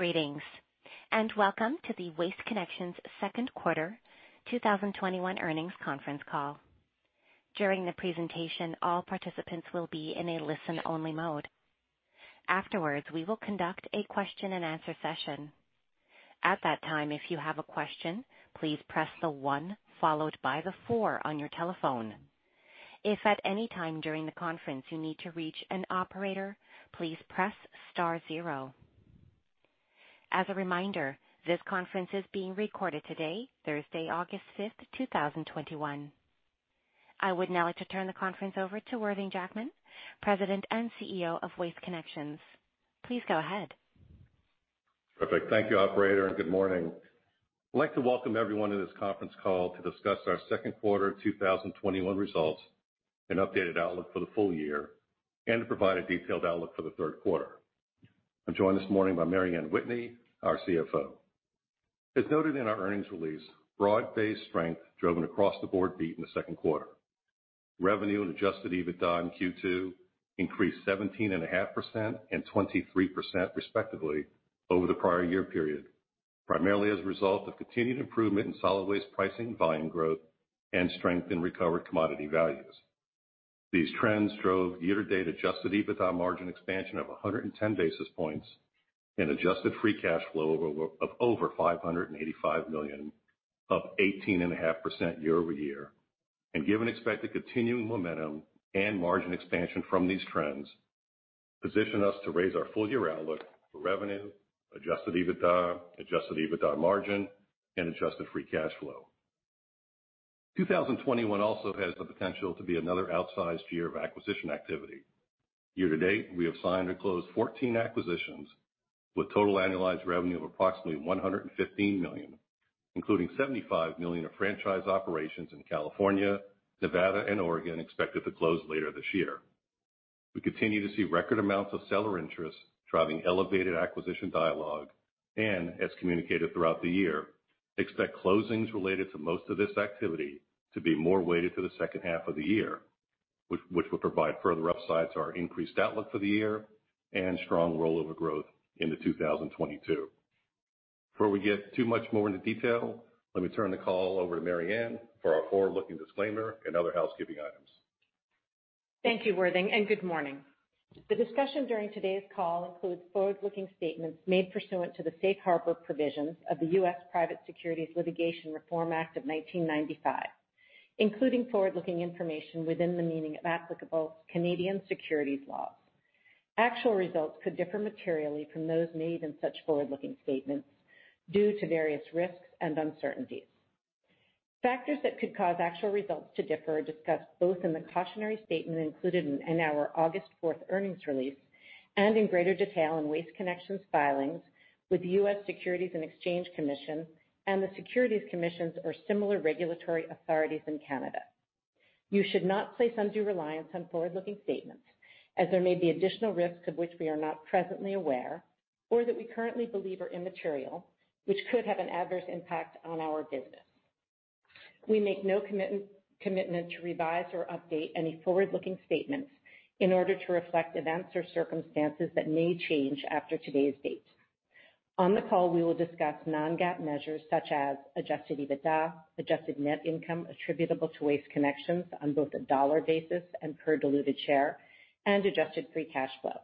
Greetings, and welcome to the Waste Connections Second Quarter 2021 Earnings Conference Call. During the presentation, all participants will be in a listen-only mode. Afterwards, we will conduct a question and answer session. At that time, if you have a question, please press the one followed by the four on your telephone. If at any time during the conference you need to reach an operator, please press star zero. As a reminder, this conference is being recorded today, Thursday, August 5th, 2021. I would now like to turn the conference over to Worthing Jackman, President and CEO of Waste Connections. Please go ahead. Perfect. Thank you, operator, and good morning. I'd like to welcome everyone to this conference call to discuss our second quarter 2021 results and updated outlook for the full year, and to provide a detailed outlook for the third quarter. I'm joined this morning by Mary Anne Whitney, our CFO. As noted in our earnings release, broad-based strength driven across the board beat in the second quarter. Revenue and adjusted EBITDA in Q2 increased 17.5% and 23% respectively over the prior year period, primarily as a result of continued improvement in solid waste pricing, volume growth, and strength in recovered commodity values. These trends drove year-to-date adjusted EBITDA margin expansion of 110 basis points and adjusted free cash flow of over $585 million, up 18.5% year-over-year. Given expected continuing momentum and margin expansion from these trends, position us to raise our full-year outlook for revenue, adjusted EBITDA, adjusted EBITDA margin, and adjusted free cash flow. 2021 also has the potential to be another outsized year of acquisition activity. Year to date, we have signed or closed 14 acquisitions, with total annualized revenue of approximately $115 million, including $75 million of franchise operations in California, Nevada, and Oregon expected to close later this year. We continue to see record amounts of seller interest, driving elevated acquisition dialogue, and, as communicated throughout the year, expect closings related to most of this activity to be more weighted to the second half of the year, which will provide further upside to our increased outlook for the year and strong rollover growth into 2022. Before we get too much more into detail, let me turn the call over to Mary Anne for our forward-looking disclaimer and other housekeeping items. Thank you, Worthing, and good morning. The discussion during today's call includes forward-looking statements made pursuant to the Safe Harbor Provisions of the U.S. Private Securities Litigation Reform Act of 1995, including forward-looking information within the meaning of applicable Canadian securities laws. Actual results could differ materially from those made in such forward-looking statements due to various risks and uncertainties. Factors that could cause actual results to differ are discussed both in the cautionary statement included in our August fourth earnings release and in greater detail in Waste Connections' filings with the U.S. Securities and Exchange Commission and the securities commissions or similar regulatory authorities in Canada. You should not place undue reliance on forward-looking statements as there may be additional risks of which we are not presently aware or that we currently believe are immaterial, which could have an adverse impact on our business. We make no commitment to revise or update any forward-looking statements in order to reflect events or circumstances that may change after today's date. On the call, we will discuss non-GAAP measures such as adjusted EBITDA, adjusted net income attributable to Waste Connections on both a dollar basis and per diluted share, and adjusted free cash flow.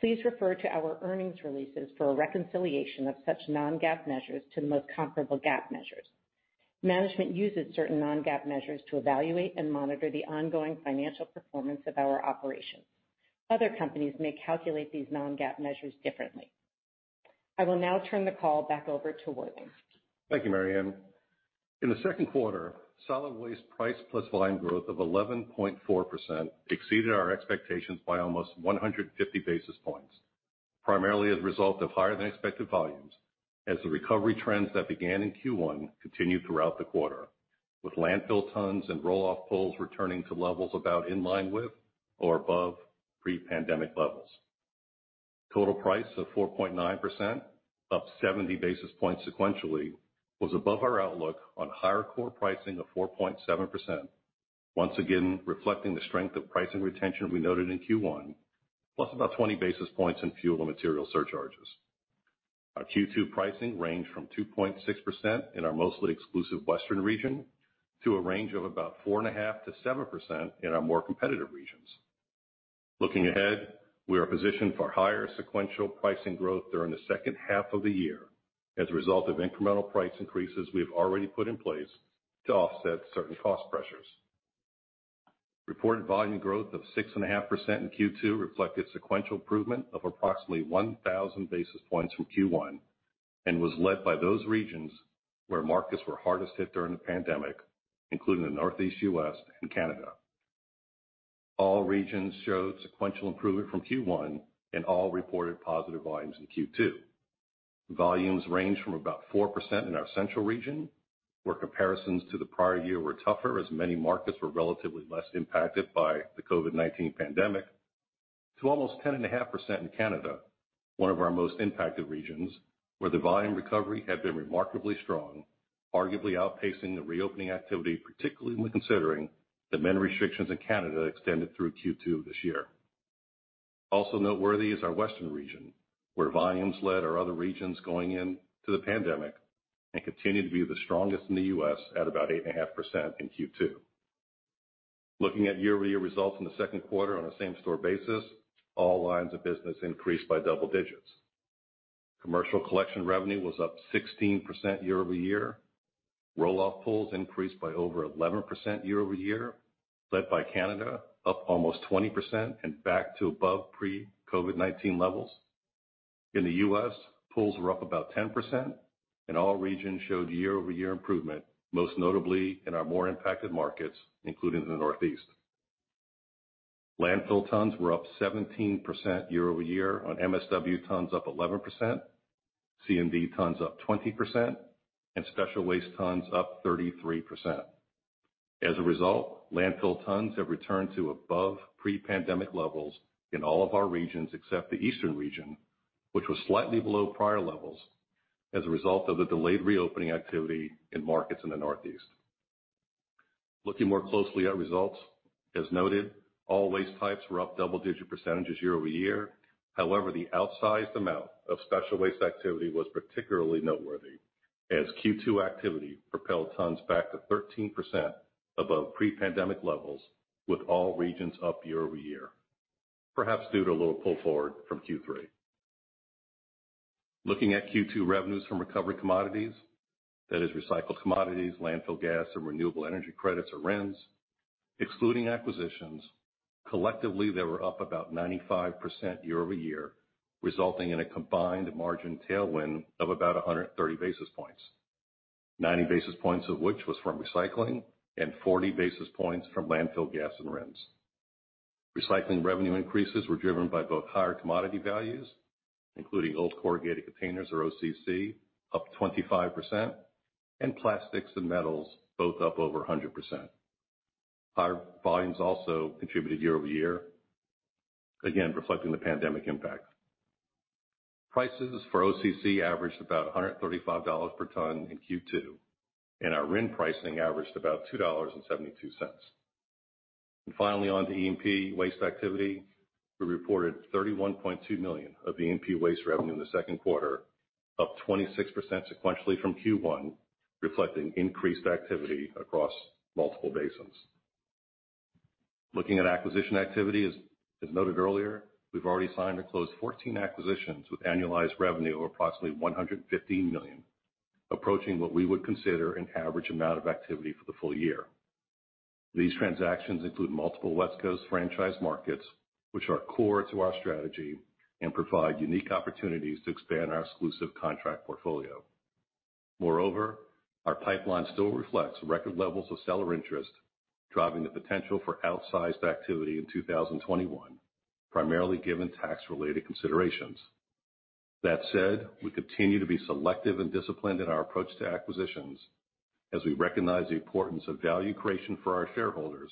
Please refer to our earnings releases for a reconciliation of such non-GAAP measures to the most comparable GAAP measures. Management uses certain non-GAAP measures to evaluate and monitor the ongoing financial performance of our operations. Other companies may calculate these non-GAAP measures differently. I will now turn the call back over to Worthing. Thank you, Mary Anne. In the second quarter, solid waste price plus volume growth of 11.4% exceeded our expectations by almost 150 basis points, primarily as a result of higher-than-expected volumes as the recovery trends that began in Q1 continued throughout the quarter, with landfill tons and roll-off pulls returning to levels about in line with or above pre-pandemic levels. Total price of 4.9%, up 70 basis points sequentially, was above our outlook on higher core pricing of 4.7%, once again reflecting the strength of pricing retention we noted in Q1, plus about 20 basis points in fuel and material surcharges. Our Q2 pricing ranged from 2.6% in our mostly exclusive western region to a range of about four and a half to 7% in our more competitive regions. Looking ahead, we are positioned for higher sequential pricing growth during the second half of the year as a result of incremental price increases we have already put in place to offset certain cost pressures. Reported volume growth of 6.5% in Q2 reflected sequential improvement of approximately 1,000 basis points from Q1 and was led by those regions where markets were hardest hit during the pandemic, including the Northeast U.S. and Canada. All regions showed sequential improvement from Q1, and all reported positive volumes in Q2. Volumes ranged from about 4% in our central region, where comparisons to the prior year were tougher as many markets were relatively less impacted by the COVID-19 pandemic, to almost 10.5% in Canada, one of our most impacted regions, where the volume recovery had been remarkably strong. Arguably outpacing the reopening activity, particularly when considering that many restrictions in Canada extended through Q2 of this year. Also noteworthy is our western region, where volumes led our other regions going into the pandemic and continue to be the strongest in the U.S. at about 8.5% in Q2. Looking at year-over-year results in the second quarter on a same-store basis, all lines of business increased by double digits. Commercial collection revenue was up 16% year-over-year. Roll-off pulls increased by over 11% year-over-year, led by Canada, up almost 20% and back to above pre-COVID-19 levels. In the U.S., pulls were up about 10%, and all regions showed year-over-year improvement, most notably in our more impacted markets, including in the Northeast. Landfill tons were up 17% year-over-year on MSW tons up 11%, C&D tons up 20%, and special waste tons up 33%. As a result, landfill tons have returned to above pre-pandemic levels in all of our regions except the eastern region, which was slightly below prior levels as a result of the delayed reopening activity in markets in the Northeast. Looking more closely at results, as noted, all waste types were up double-digit percentages year-over-year. However, the outsized amount of special waste activity was particularly noteworthy, as Q2 activity propelled tons back to 13% above pre-pandemic levels with all regions up year-over-year, perhaps due to a little pull forward from Q3. Looking at Q2 revenues from recovery commodities, that is recycled commodities, landfill gas, and renewable energy credits, or RINs. Excluding acquisitions, collectively, they were up about 95% year-over-year, resulting in a combined margin tailwind of about 130 basis points, 90 basis points of which was from recycling and 40 basis points from landfill gas and RINs. Recycling revenue increases were driven by both higher commodity values, including old corrugated containers or OCC, up 25%, and plastics and metals both up over 100%. Higher volumes also contributed year-over-year, again, reflecting the pandemic impact. Prices for OCC averaged about $135 per ton in Q2, and our RIN pricing averaged about $2.72. Finally, on to E&P waste activity. We reported $31.2 million of E&P waste revenue in the second quarter, up 26% sequentially from Q1, reflecting increased activity across multiple basins. Looking at acquisition activity, as noted earlier, we've already signed and closed 14 acquisitions with annualized revenue of approximately $115 million, approaching what we would consider an average amount of activity for the full year. These transactions include multiple West Coast franchise markets, which are core to our strategy and provide unique opportunities to expand our exclusive contract portfolio. Our pipeline still reflects record levels of seller interest, driving the potential for outsized activity in 2021, primarily given tax-related considerations. That said, we continue to be selective and disciplined in our approach to acquisitions as we recognize the importance of value creation for our shareholders,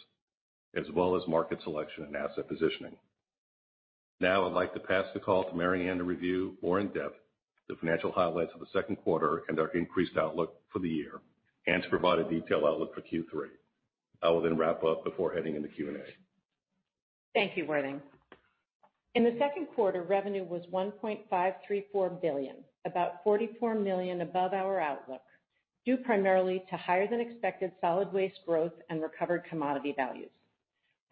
as well as market selection and asset positioning. Now I'd like to pass the call to Mary Anne to review more in depth the financial highlights of the second quarter and our increased outlook for the year and to provide a detailed outlook for Q3. I will then wrap up before heading into Q&A. Thank you, Worthing. In the second quarter, revenue was $1.534 billion, about $44 million above our outlook, due primarily to higher-than-expected solid waste growth and recovered commodity values.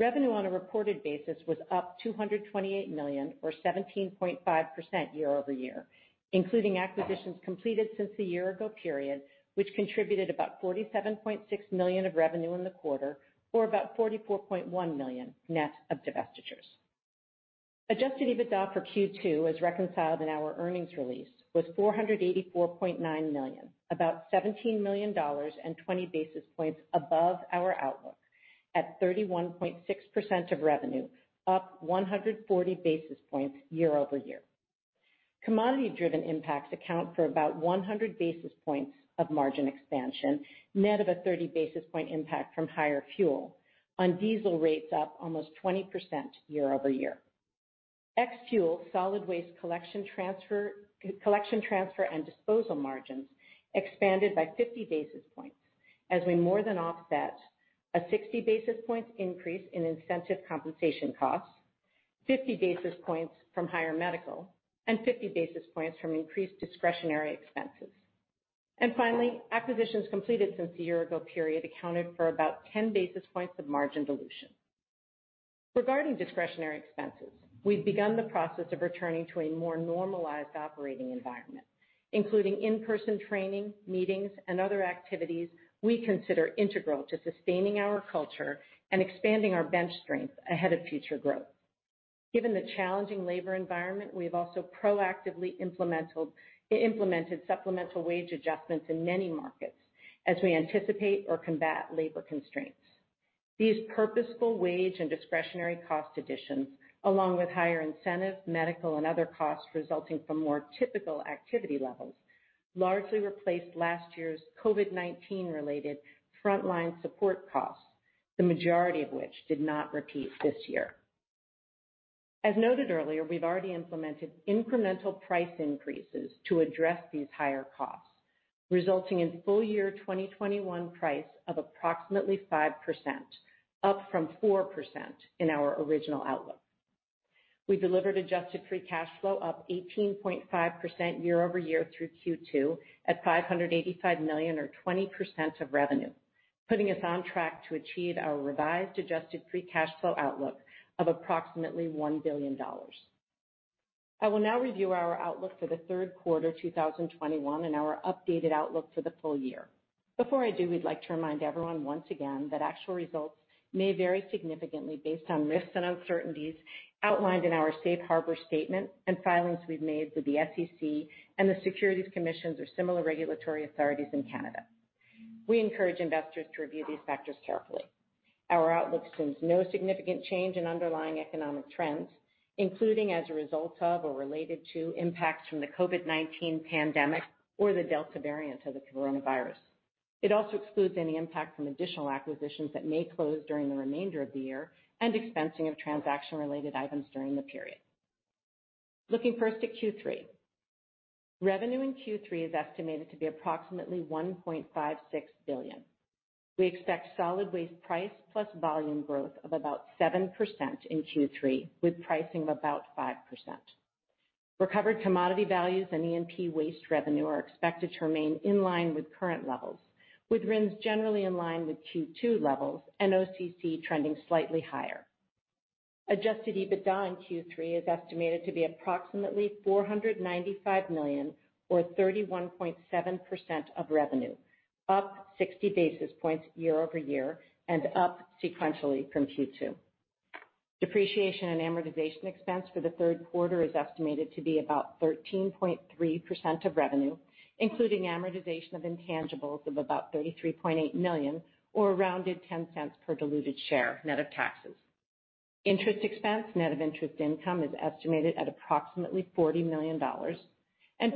Revenue on a reported basis was up $228 million or 17.5% year-over-year, including acquisitions completed since the year-ago period, which contributed about $47.6 million of revenue in the quarter or about $44.1 million net of divestitures. Adjusted EBITDA for Q2, as reconciled in our earnings release, was $484.9 million, about $17 million and 20 basis points above our outlook at 31.6% of revenue, up 140 basis points year-over-year. Commodity-driven impacts account for about 100 basis points of margin expansion, net of a 30 basis point impact from higher fuel on diesel rates up almost 20% year-over-year. Ex fuel, solid waste collection, transfer, and disposal margins expanded by 50 basis points as we more than offset a 60 basis points increase in incentive compensation costs, 50 basis points from higher medical, and 50 basis points from increased discretionary expenses. Finally, acquisitions completed since the year-ago period accounted for about 10 basis points of margin dilution. Regarding discretionary expenses, we've begun the process of returning to a more normalized operating environment, including in-person training, meetings, and other activities we consider integral to sustaining our culture and expanding our bench strength ahead of future growth. Given the challenging labor environment, we've also proactively implemented supplemental wage adjustments in many markets as we anticipate or combat labor constraints. These purposeful wage and discretionary cost additions, along with higher incentive, medical, and other costs resulting from more typical activity levels, largely replaced last year's COVID-19 related frontline support costs, the majority of which did not repeat this year. As noted earlier, we've already implemented incremental price increases to address these higher costs, resulting in full year 2021 price of approximately 5%, up from 4% in our original outlook. We delivered adjusted free cash flow up 18.5% year-over-year through Q2 at $585 million or 20% of revenue, putting us on track to achieve our revised adjusted free cash flow outlook of approximately $1 billion. I will now review our outlook for the third quarter 2021 and our updated outlook for the full year. Before I do, we'd like to remind everyone once again that actual results may vary significantly based on risks and uncertainties outlined in our Safe Harbor statement and filings we've made with the SEC and the securities commissions or similar regulatory authorities in Canada. We encourage investors to review these factors carefully. Our outlook assumes no significant change in underlying economic trends, including as a result of or related to impacts from the COVID-19 pandemic or the Delta variant of the coronavirus. It also excludes any impact from additional acquisitions that may close during the remainder of the year and expensing of transaction-related items during the period. Looking first at Q3. Revenue in Q3 is estimated to be approximately $1.56 billion. We expect solid waste price plus volume growth of about 7% in Q3, with pricing of about 5%. Recovered commodity values and E&P waste revenue are expected to remain in line with current levels, with RINs generally in line with Q2 levels and OCC trending slightly higher. Adjusted EBITDA in Q3 is estimated to be approximately $495 million or 31.7% of revenue, up 60 basis points year-over-year and up sequentially from Q2. Depreciation and amortization expense for the third quarter is estimated to be about 13.3% of revenue, including amortization of intangibles of about $33.8 million or rounded $0.10 per diluted share net of taxes. Interest expense net of interest income is estimated at approximately $40 million.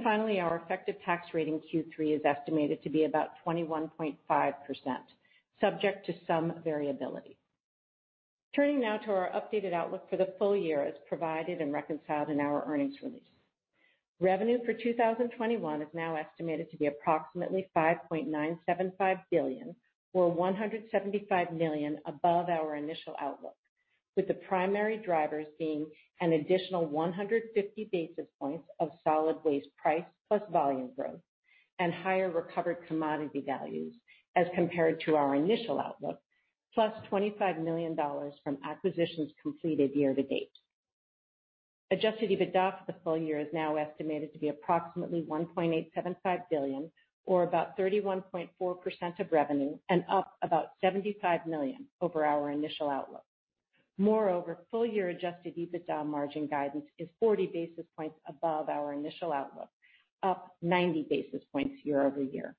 Finally, our effective tax rate in Q3 is estimated to be about 21.5%, subject to some variability. Turning now to our updated outlook for the full year as provided and reconciled in our earnings release. Revenue for 2021 is now estimated to be approximately $5.975 billion or $175 million above our initial outlook, with the primary drivers being an additional 150 basis points of solid waste price plus volume growth and higher recovered commodity values as compared to our initial outlook, plus $25 million from acquisitions completed year to date. Adjusted EBITDA for the full year is now estimated to be approximately $1.875 billion or about 31.4% of revenue and up about $75 million over our initial outlook. Full year adjusted EBITDA margin guidance is 40 basis points above our initial outlook, up 90 basis points year-over-year.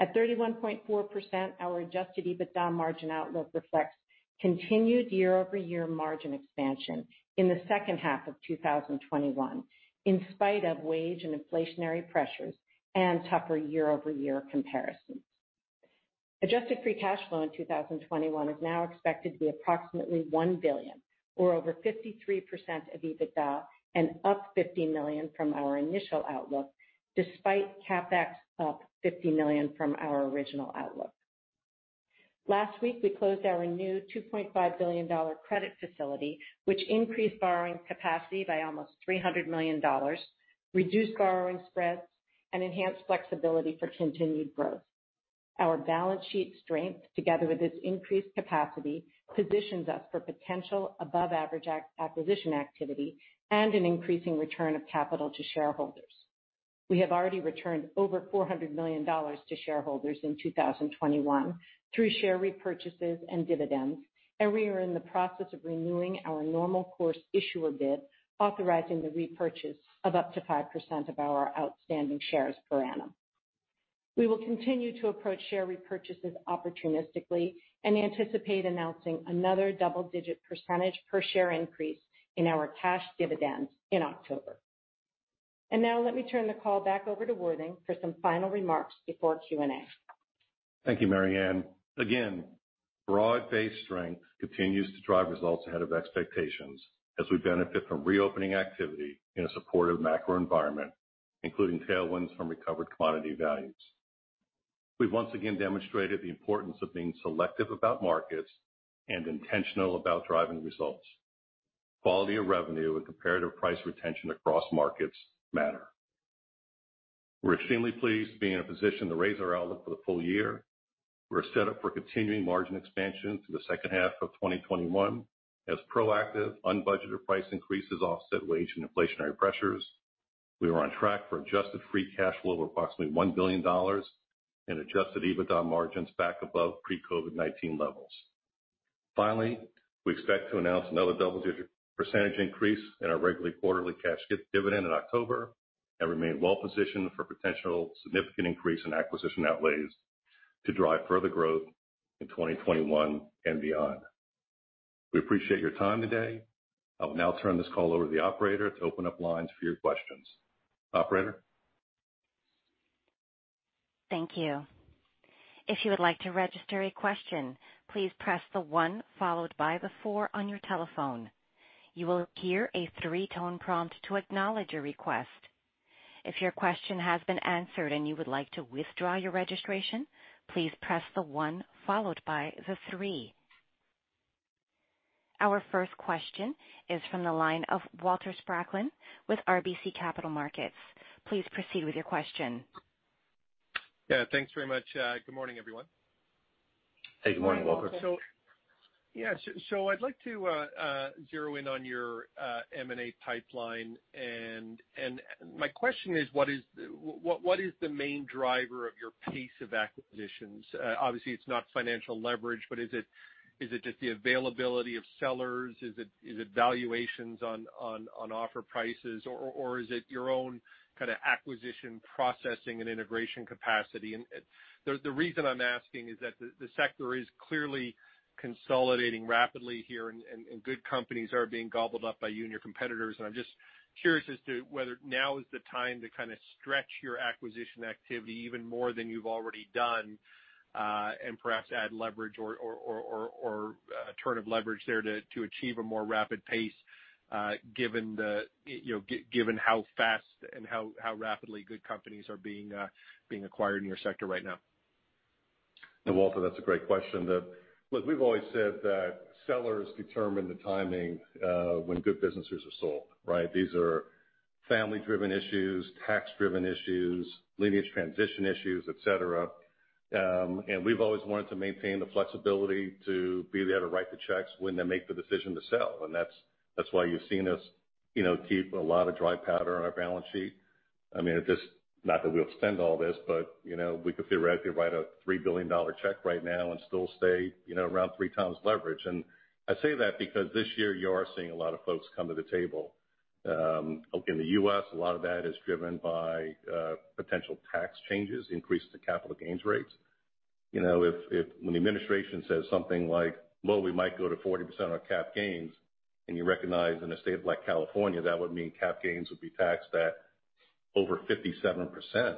At 31.4%, our adjusted EBITDA margin outlook reflects continued year-over-year margin expansion in the second half of 2021 in spite of wage and inflationary pressures and tougher year-over-year comparisons. Adjusted free cash flow in 2021 is now expected to be approximately $1 billion or over 53% of EBITDA and up $50 million from our initial outlook, despite CapEx up $50 million from our original outlook. Last week, we closed our new $2.5 billion credit facility, which increased borrowing capacity by almost $300 million, reduced borrowing spreads, and enhanced flexibility for continued growth. Our balance sheet strength, together with this increased capacity, positions us for potential above-average acquisition activity and an increasing return of capital to shareholders. We have already returned over $400 million to shareholders in 2021 through share repurchases and dividends, and we are in the process of renewing our Normal Course Issuer Bid, authorizing the repurchase of up to 5% of our outstanding shares per annum. We will continue to approach share repurchases opportunistically and anticipate announcing another double-digit percentage per share increase in our cash dividends in October. Now let me turn the call back over to Worthing for some final remarks before Q&A. Thank you, Mary Anne. Again, broad-based strength continues to drive results ahead of expectations as we benefit from reopening activity in a supportive macro environment, including tailwinds from recovered commodity values. We've once again demonstrated the importance of being selective about markets and intentional about driving results. Quality of revenue and comparative price retention across markets matter. We're extremely pleased to be in a position to raise our outlook for the full year. We're set up for continuing margin expansion through the second half of 2021 as proactive, unbudgeted price increases offset wage and inflationary pressures. We are on track for adjusted free cash flow of approximately $1 billion and adjusted EBITDA margins back above pre-COVID-19 levels. Finally, we expect to announce another double-digit percentage increase in our regularly quarterly cash dividend in October and remain well-positioned for potential significant increase in acquisition outlays to drive further growth in 2021 and beyond. We appreciate your time today. I will now turn this call over to the operator to open up lines for your questions. Operator? Thank you. If you would like to register a question, please press the one followed by the four on your telephone. You will hear a three-tone prompt to acknowledge your request. If your question has been answered and you would like to withdraw your registration, please press the one followed by the three. Our first question is from the line of Walter Spracklin with RBC Capital Markets. Please proceed with your question. Yeah, thanks very much. Good morning, everyone. Hey, good morning, Walter. Good morning, Walter. Yeah. I'd like to zero in on your M&A pipeline, and my question is, what is the main driver of your pace of acquisitions? Obviously, it's not financial leverage, but is it just the availability of sellers? Is it valuations on offer prices, or is it your own kind of acquisition processing and integration capacity? The reason I'm asking is that the sector is clearly consolidating rapidly here, and good companies are being gobbled up by you and your competitors, and I'm just curious as to whether now is the time to kind of stretch your acquisition activity even more than you've already done, and perhaps add leverage or a turn of leverage there to achieve a more rapid pace, given how fast and how rapidly good companies are being acquired in your sector right now. Walter, that's a great question. Look, we've always said that sellers determine the timing when good businesses are sold, right? These are family-driven issues, tax-driven issues, lineage transition issues, et cetera. We've always wanted to maintain the flexibility to be there to write the checks when they make the decision to sell. That's why you've seen us keep a lot of dry powder on our balance sheet. I mean, not that we'll spend all this, but we could theoretically write a $3 billion check right now and still stay around 3x leverage. I say that because this year you are seeing a lot of folks come to the table. In the U.S., a lot of that is driven by potential tax changes, increases to capital gains rates. When the administration says something like, "Well, we might go to 40% on cap gains," and you recognize in a state like California, that would mean cap gains would be taxed at over 57%.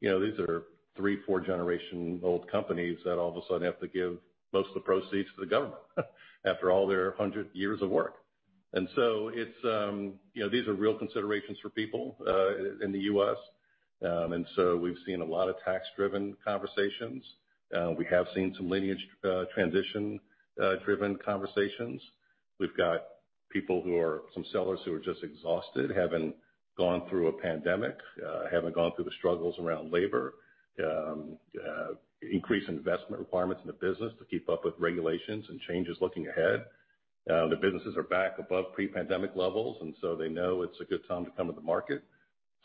These are three, four generation-old companies that all of a sudden have to give most of the proceeds to the government after all their 100 years of work. These are real considerations for people in the U.S., and so we've seen a lot of tax-driven conversations. We have seen some lineage transition-driven conversations. We've got people who are some sellers who are just exhausted, having gone through a pandemic, having gone through the struggles around labor, increased investment requirements in the business to keep up with regulations and changes looking ahead. The businesses are back above pre-pandemic levels, and so they know it's a good time to come to the market.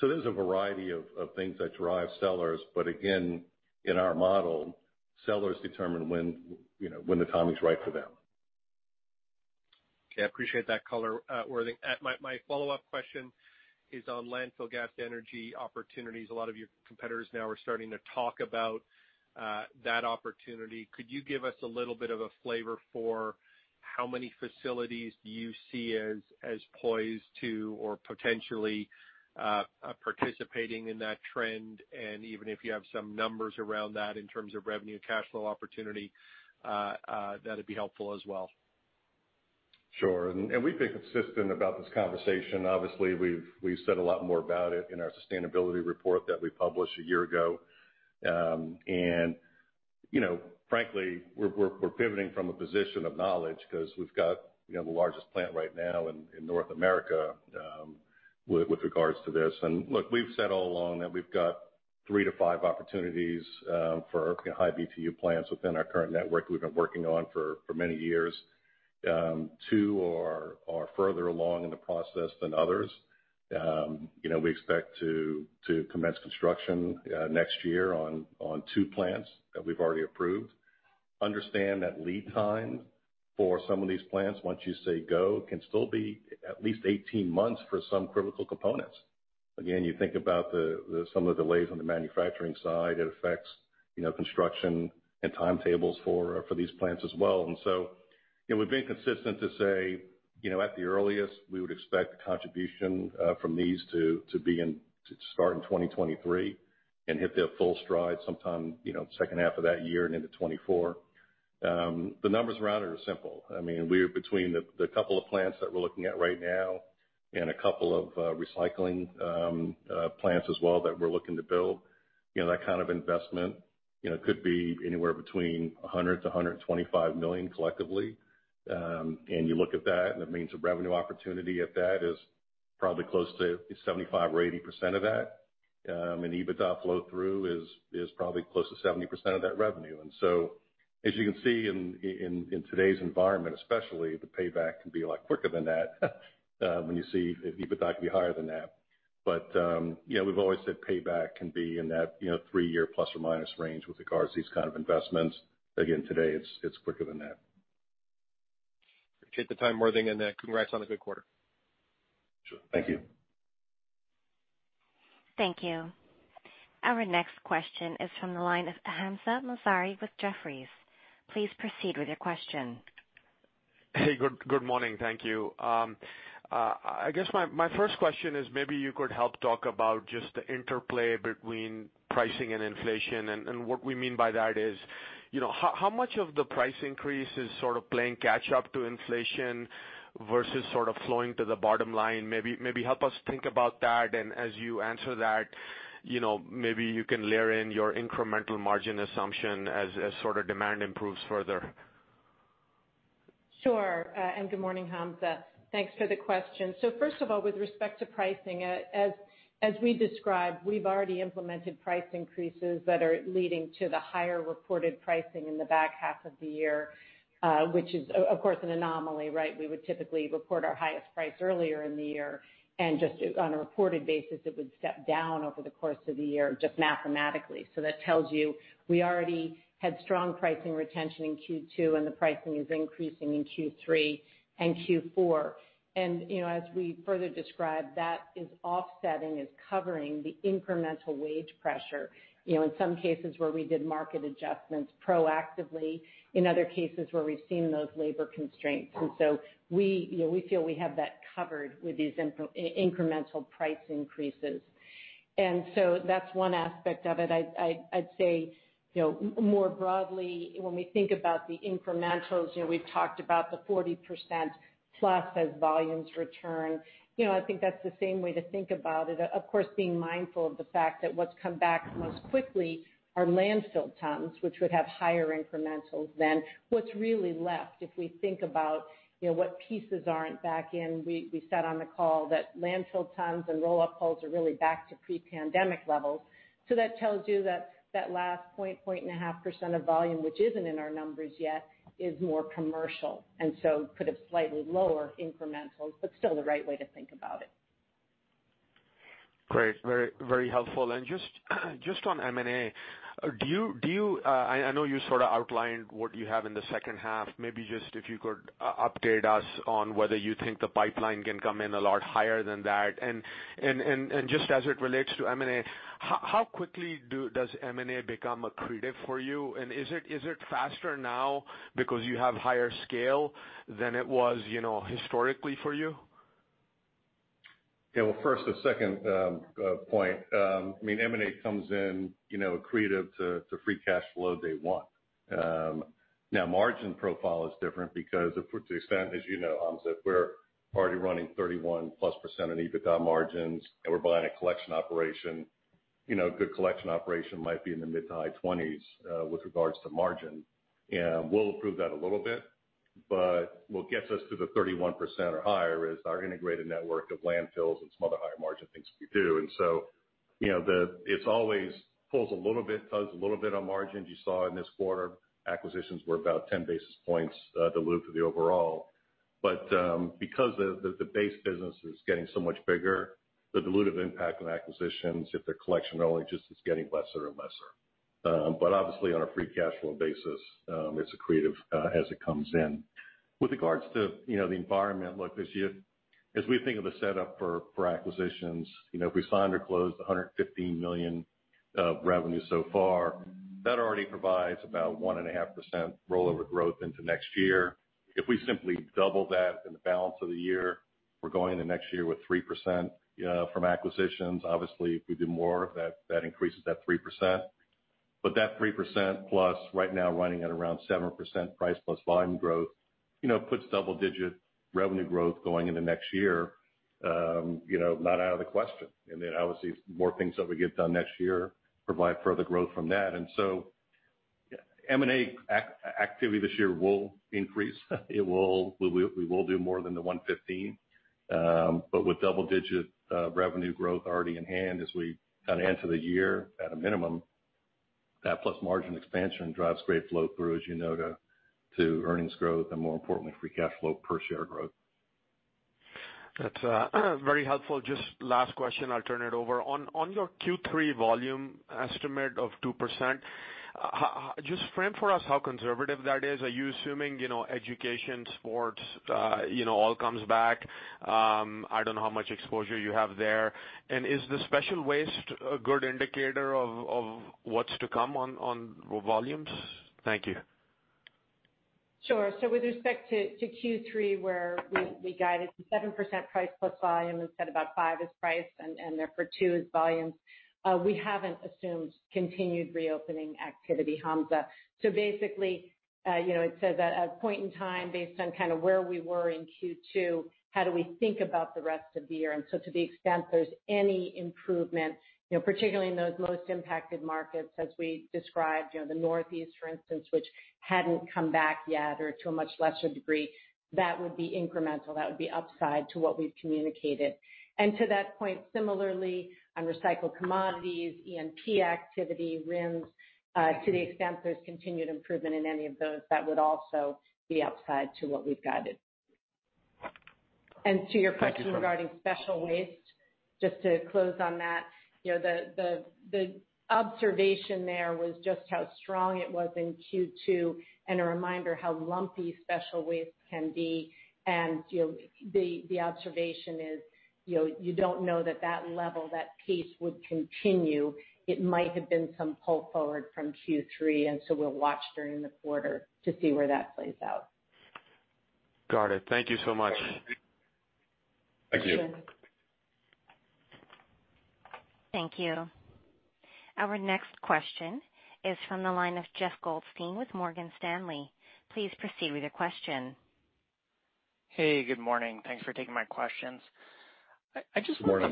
There's a variety of things that drive sellers, but again, in our model, sellers determine when the timing is right for them. Okay. I appreciate that color, Worthing. My follow-up question is on landfill gas energy opportunities. A lot of your competitors now are starting to talk about that opportunity. Could you give us a little bit of a flavor for how many facilities do you see as poised to or potentially participating in that trend, and even if you have some numbers around that in terms of revenue cash flow opportunity, that'd be helpful as well. Sure. We've been consistent about this conversation. Obviously, we've said a lot more about it in our sustainability report that we published a year ago. Frankly, we're pivoting from a position of knowledge because we've got the largest plant right now in North America with regards to this. Look, we've said all along that we've got three-five opportunities for high BTU plants within our current network we've been working on for many years. Two are further along in the process than others. We expect to commence construction next year on two plants that we've already approved. Understand that lead time for some of these plants, once you say go, can still be at least 18 months for some critical components. Again, you think about some of the delays on the manufacturing side, it affects construction and timetables for these plants as well. We've been consistent to say, at the earliest, we would expect contribution from these to start in 2023 and hit their full stride sometime second half of that year and into 2024. The numbers around it are simple. Between the couple of plants that we're looking at right now and a couple of recycling plants as well that we're looking to build, that kind of investment could be anywhere between $100 million-$125 million collectively. You look at that, and it means the revenue opportunity at that is probably close to 75% or 80% of that. EBITDA flow through is probably close to 70% of that revenue. As you can see in today's environment especially, the payback can be a lot quicker than that when you see EBITDA can be higher than that. We've always said payback can be in that three-year plus or minus range with regards to these kind of investments. Again, today, it's quicker than that. Appreciate the time, Worthing, and congrats on a good quarter. Sure. Thank you. Thank you. Our next question is from the line of Hamzah Mazari with Jefferies. Please proceed with your question. Hey, good morning. Thank you. I guess my first question is maybe you could help talk about just the interplay between pricing and inflation. What we mean by that is how much of the price increase is sort of playing catch up to inflation versus sort of flowing to the bottom line. Maybe help us think about that. As you answer that, maybe you can layer in your incremental margin assumption as sort of demand improves further. Sure. Good morning, Hamzah. Thanks for the question. First of all, with respect to pricing, as we described, we've already implemented price increases that are leading to the higher reported pricing in the back half of the year, which is, of course, an anomaly, right? We would typically report our highest price earlier in the year, and just on a reported basis, it would step down over the course of the year, just mathematically. That tells you we already had strong pricing retention in Q2, and the pricing is increasing in Q3 and Q4. As we further described, that is offsetting, is covering the incremental wage pressure, in some cases where we did market adjustments proactively, in other cases where we've seen those labor constraints. We feel we have that covered with these incremental price increases. That's one aspect of it. I'd say, more broadly, when we think about the incrementals, we've talked about the 40%+ as volumes return. I think that's the same way to think about it. Of course, being mindful of the fact that what's come back most quickly are landfill tons, which would have higher incrementals than what's really left if we think about what pieces aren't back in. We said on the call that landfill tons and roll-off pulls are really back to pre-pandemic levels. That tells you that last point, 1.5% of volume, which isn't in our numbers yet, is more commercial, and so could have slightly lower incrementals, but still the right way to think about it. Great. Very helpful. Just on M&A, I know you sort of outlined what you have in the second half. Maybe just if you could update us on whether you think the pipeline can come in a lot higher than that. Just as it relates to M&A, how quickly does M&A become accretive for you? Is it faster now because you have higher scale than it was historically for you? First, the second point, M&A comes in accretive to free cash flow day one. Margin profile is different because to the extent, as you know, Hamzah, we're already running 31-plus % on EBITDA margins, and we're buying a collection operation. A good collection operation might be in the mid to high 20s with regards to margin. We'll improve that a little bit, but what gets us to the 31% or higher is our integrated network of landfills and some other higher margin things we do. It always pulls a little bit, tugs a little bit on margins. You saw in this quarter, acquisitions were about 10 basis points dilutive to the overall. Because the base business is getting so much bigger, the dilutive impact of acquisitions, if they're collection only, just is getting lesser and lesser. Obviously on a free cash flow basis, it's accretive as it comes in. With regards to the environment, look, as we think of the setup for acquisitions, if we signed or closed $115 million of revenue so far, that already provides about 1.5% rollover growth into next year. If we simply double that in the balance of the year, we're going into next year with 3% from acquisitions. Obviously, if we do more, that increases that 3%. That 3% plus right now running at around 7% price plus volume growth, puts double-digit revenue growth going into next year, not out of the question. Then obviously more things that we get done next year provide further growth from that. So M&A activity this year will increase. We will do more than the $115 million. With double-digit revenue growth already in hand as we enter the year at a minimum, that plus margin expansion drives great flow through, as you know, to earnings growth and more importantly, free cash flow per share growth. That's very helpful. Just last question, I'll turn it over. On your Q3 volume estimate of 2%, just frame for us how conservative that is. Are you assuming education, sports, all comes back? I don't know how much exposure you have there. Is the special waste a good indicator of what's to come on volumes? Thank you. Sure. With respect to Q3, where we guided to 7% price plus volume and said about five is price and therefore two is volumes, we haven't assumed continued reopening activity, Hamzah. Basically, it says at a point in time based on kind of where we were in Q2, how do we think about the rest of the year? To the extent there's any improvement, particularly in those most impacted markets as we described, the Northeast, for instance, which hadn't come back yet or to a much lesser degree, that would be incremental. That would be upside to what we've communicated. To that point, similarly on recycled commodities, E&P activity, RINs, to the extent there's continued improvement in any of those, that would also be upside to what we've guided. To your question regarding special waste, just to close on that, the observation there was just how strong it was in Q2 and a reminder how lumpy special waste can be. The observation is you don't know that that level, that pace would continue. It might have been some pull forward from Q3, and so we'll watch during the quarter to see where that plays out. Got it. Thank you so much. Thank you. Thank you. Our next question is from the line of Jeff Goldstein with Morgan Stanley. Please proceed with your question. Hey, good morning. Thanks for taking my questions. Good morning.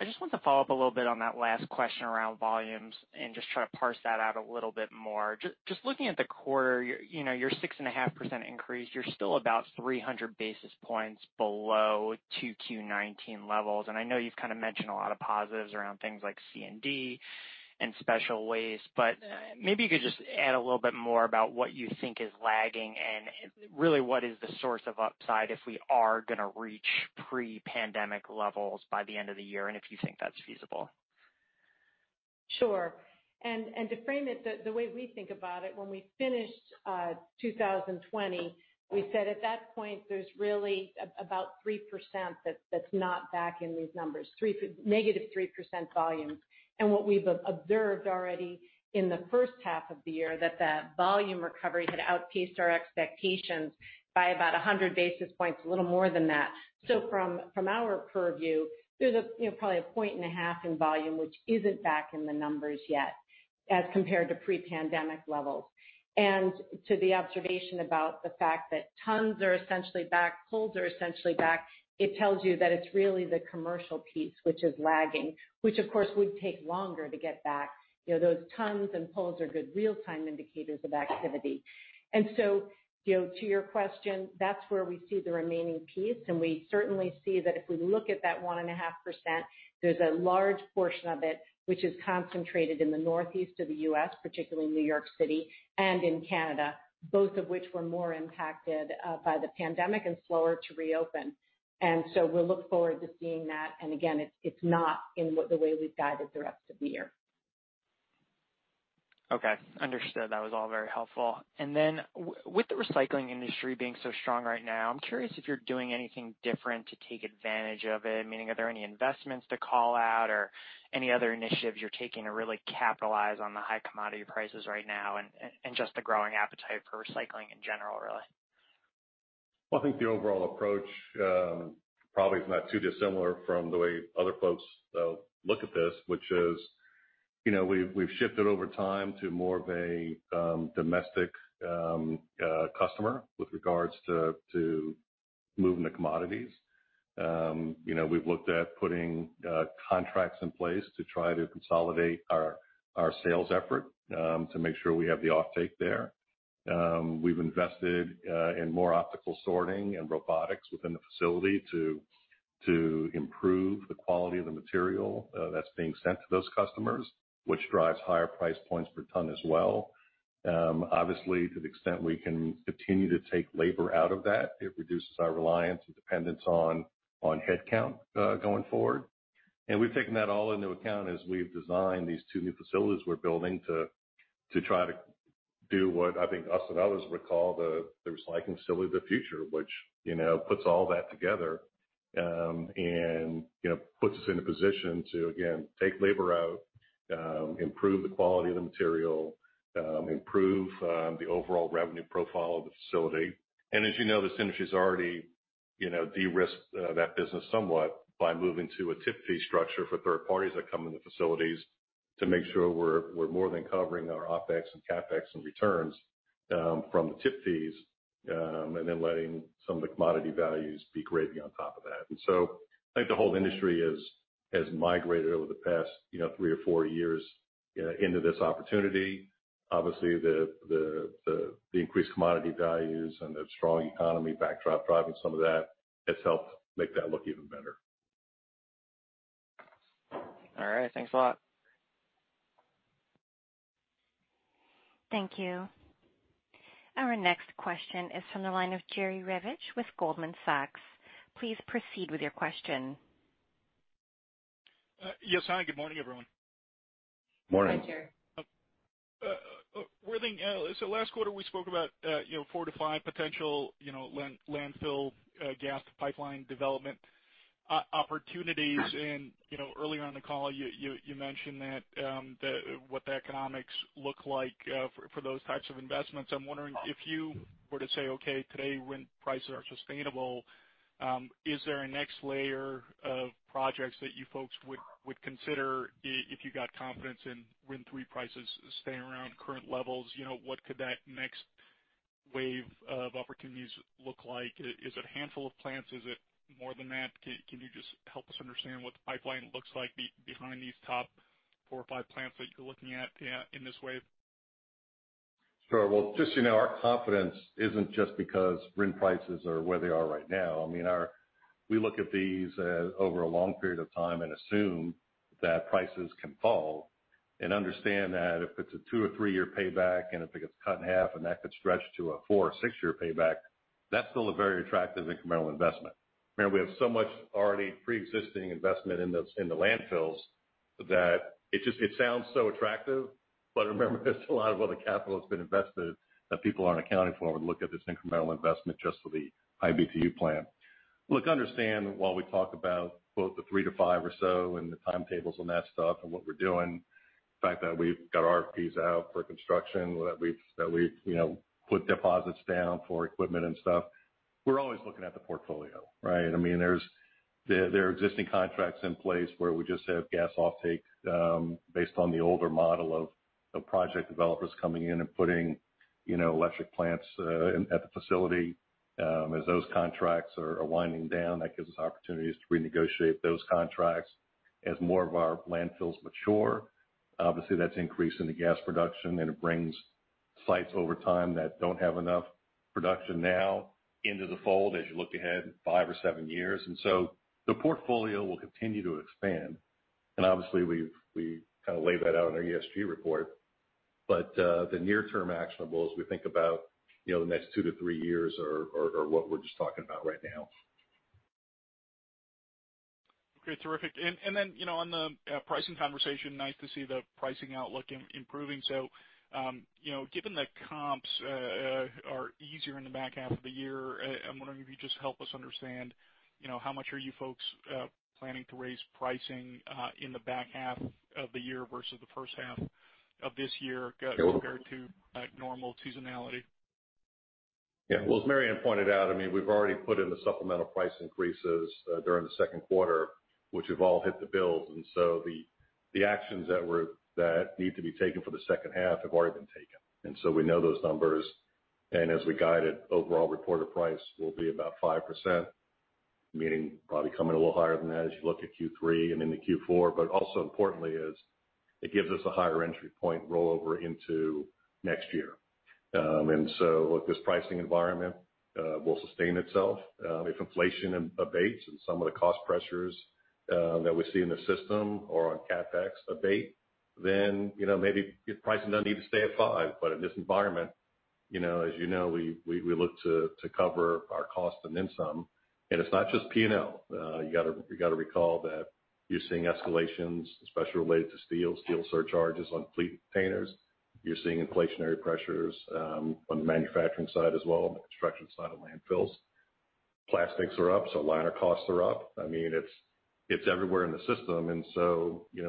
I just want to follow up a little bit on that last question around volumes and just try to parse that out a little bit more. Just looking at the quarter, your 6.5% increase, you're still about 300 basis points below 2Q 2019 levels. I know you've mentioned a lot of positives around things like C&D and special waste, but maybe you could just add a little bit more about what you think is lagging and really what is the source of upside if we are going to reach pre-pandemic levels by the end of the year, and if you think that's feasible. Sure. To frame it, the way we think about it, when we finished 2020, we said at that point, there's really about 3% that's not back in these numbers, negative 3% volumes. What we've observed already in the first half of the year, that the volume recovery had outpaced our expectations by about 100 basis points, a little more than that. From our purview, there's probably 1.5 in volume which isn't back in the numbers yet as compared to pre-pandemic levels. To the observation about the fact that tons are essentially back, pulls are essentially back, it tells you that it's really the commercial piece which is lagging, which of course, would take longer to get back. Those tons and pulls are good real-time indicators of activity. To your question, that's where we see the remaining piece, and we certainly see that if we look at that 1.5%, there's a large portion of it which is concentrated in the Northeast of the U.S., particularly New York City and in Canada, both of which were more impacted by the pandemic and slower to reopen. We'll look forward to seeing that. Again, it's not in the way we've guided the rest of the year. Okay, understood. That was all very helpful. With the recycling industry being so strong right now, I'm curious if you're doing anything different to take advantage of it, meaning are there any investments to call out or any other initiatives you're taking to really capitalize on the high commodity prices right now and just the growing appetite for recycling in general, really? Well, I think the overall approach probably is not too dissimilar from the way other folks look at this, which is we've shifted over time to more of a domestic customer with regards to moving the commodities. We've looked at putting contracts in place to try to consolidate our sales effort to make sure we have the offtake there. We've invested in more optical sorting and robotics within the facility to improve the quality of the material that's being sent to those customers, which drives higher price points per ton as well. Obviously, to the extent we can continue to take labor out of that, it reduces our reliance and dependence on headcount going forward. We've taken that all into account as we've designed these two new facilities we're building to try to do what I think us and others would call the recycling facility of the future, which puts all that together and puts us in a position to, again, take labor out, improve the quality of the material, improve the overall revenue profile of the facility. As you know, this industry's already de-risked that business somewhat by moving to a tip fee structure for third parties that come in the facilities to make sure we're more than covering our OpEx and CapEx and returns from the tip fees, then letting some of the commodity values be gravy on top of that. I think the whole industry has migrated over the past three or four years into this opportunity. Obviously, the increased commodity values and the strong economy backdrop driving some of that has helped make that look even better. All right. Thanks a lot. Thank you. Our next question is from the line of Jerry Revich with Goldman Sachs. Please proceed with your question. Yes. Hi, good morning, everyone. Morning. Hi, Jerry. Last quarter, we spoke about four-five potential landfill gas pipeline development opportunities. Earlier on in the call, you mentioned what the economics look like for those types of investments. I'm wondering if you were to say, okay, today RIN prices are sustainable, is there a next layer of projects that you folks would consider if you got confidence in RIN prices staying around current levels? What could that next wave of opportunities look like? Is it a handful of plants? Is it more than that? Can you just help us understand what the pipeline looks like behind these top four or five plants that you're looking at in this wave? Sure. Just so you know, our confidence isn't just because RIN prices are where they are right now. We look at these over a long period of time and assume that prices can fall and understand that if it's a two or three-year payback and if it gets cut in half, and that could stretch to a four or six-year payback, that's still a very attractive incremental investment. We have so much already preexisting investment in the landfills that it sounds so attractive. Remember, there's a lot of other capital that's been invested that people aren't accounting for when looking at this incremental investment just for the high-BTU plant. Look, understand while we talk about both the three-five or so and the timetables on that stuff and what we're doing, the fact that we've got RFPs out for construction, that we've put deposits down for equipment and stuff, we're always looking at the portfolio, right? I mean, there are existing contracts in place where we just have gas offtake based on the older model of project developers coming in and putting electric plants at the facility. As those contracts are winding down, that gives us opportunities to renegotiate those contracts as more of our landfills mature. Obviously, that's increasing the gas production, and it brings sites over time that don't have enough production now into the fold as you look ahead five or seven years. The portfolio will continue to expand. Obviously, we've laid that out in our ESG report. The near-term actionable, as we think about the next two-three years, are what we're just talking about right now. Okay, terrific. On the pricing conversation, nice to see the pricing outlook improving. Given the comps are easier in the back half of the year, I'm wondering if you just help us understand how much are you folks planning to raise pricing in the back half of the year versus the first half of this year compared to normal seasonality? Yeah. Well, as Mary Anne pointed out, we've already put in the supplemental price increases during the second quarter, which have all hit the bills. The actions that need to be taken for the second half have already been taken. We know those numbers. As we guide it, overall reported price will be about 5%, meaning probably coming a little higher than that as you look at Q3 and into Q4. Also importantly is, it gives us a higher entry point rollover into next year. Look, this pricing environment will sustain itself. If inflation abates and some of the cost pressures that we see in the system or on CapEx abate, then maybe pricing doesn't need to stay at five. In this environment, as you know, we look to cover our cost and then some. It's not just P&L. You got to recall that you're seeing escalations, especially related to steel surcharges on fleet containers. You're seeing inflationary pressures on the manufacturing side as well, on the construction side of landfills. Plastics are up, so liner costs are up. It's everywhere in the system.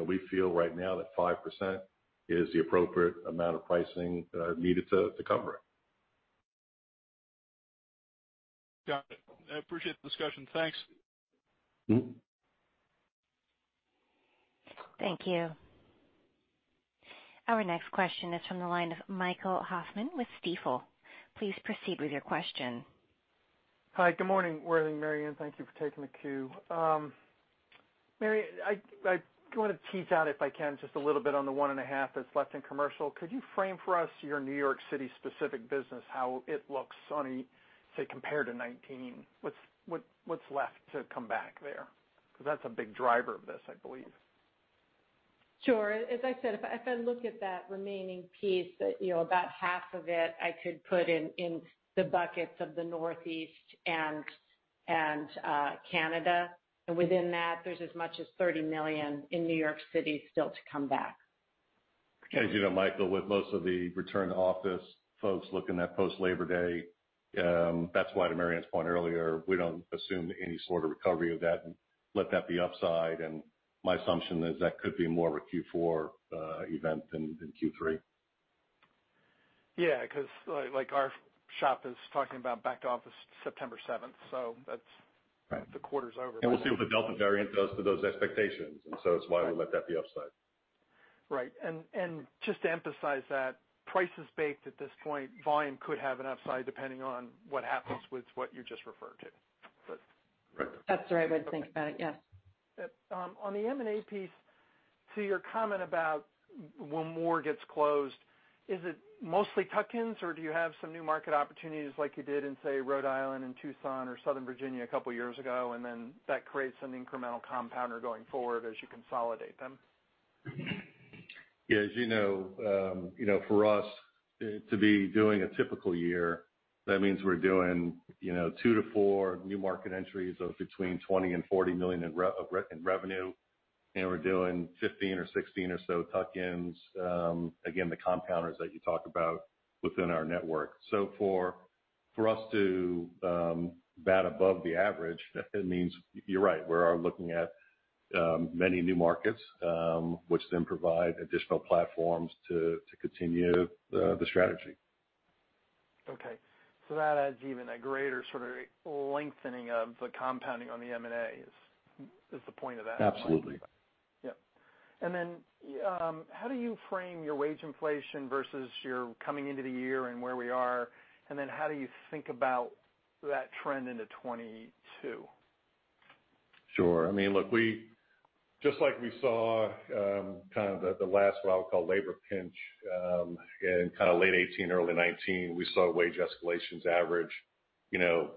We feel right now that 5% is the appropriate amount of pricing needed to cover it. Got it. I appreciate the discussion. Thanks. Thank you. Our next question is from the line of Michael Hoffman with Stifel. Please proceed with your question. Hi, good morning, Worthing and Mary Anne, thank you for taking the queue. Mary, I want to tease out, if I can, just a little bit on the one and a half that's left in commercial. Could you frame for us your New York City specific business, how it looks, say, compared to 2019? What's left to come back there? That's a big driver of this, I believe. Sure. As I said, if I look at that remaining piece, about half of it I could put in the buckets of the Northeast and Canada. Within that, there's as much as $30 million in New York City still to come back. As you know, Michael, with most of the return to office folks looking at post Labor Day, that's why to Mary Anne's point earlier, we don't assume any sort of recovery of that and let that be upside. My assumption is that could be more of a Q4 event than Q3. Yeah, because our shop is talking about back to office September 7th. Right The quarter's over. We'll see what the Delta variant does to those expectations. It's why we let that be upside. Right. Just to emphasize that price is baked at this point, volume could have an upside depending on what happens with what you just referred to. Right. That's the right way to think about it, yeah. On the M&A piece, to your comment about when more gets closed, is it mostly tuck-ins, or do you have some new market opportunities like you did in, say, Rhode Island and Tucson or Southern Virginia a couple of years ago, and then that creates an incremental compounder going forward as you consolidate them? Yeah. As you know, for us to be doing a typical year, that means we're doing two to four new market entries of between $20 million and $40 million in revenue. We're doing 15 or 16 or so tuck-ins, again, the compounders that you talk about within our network. For us to bat above the average, it means you're right, we are looking at many new markets, which then provide additional platforms to continue the strategy. Okay. That adds even a greater sort of lengthening of the compounding on the M&A is the point of that. Absolutely. Yep. Then, how do you frame your wage inflation versus your coming into the year and where we are, and then how do you think about that trend into 2022? Sure. Just like we saw the last, what I would call labor pinch, in late 2018, early 2019, we saw wage escalations average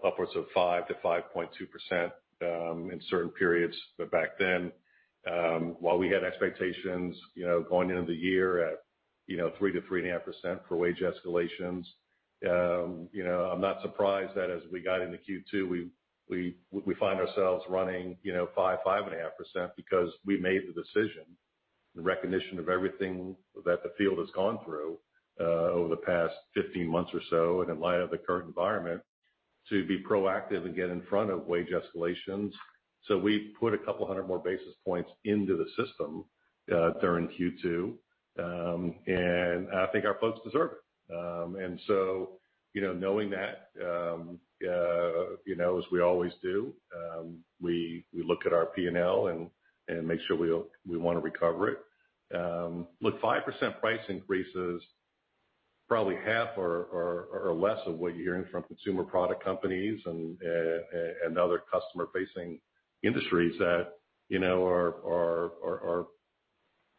upwards of 5%-5.2% in certain periods. Back then, while we had expectations going into the year at 3%-3.5% for wage escalations, I'm not surprised that as we got into Q2, we find ourselves running 5%, 5.5% because we made the decision, the recognition of everything that the field has gone through over the past 15 months or so and in light of the current environment, to be proactive and get in front of wage escalations. We put 200 more basis points into the system during Q2. I think our folks deserve it. Knowing that, as we always do, we look at our P&L and make sure we want to recover it. Look, 5% price increase is probably half or less of what you're hearing from consumer product companies and other customer-facing industries that are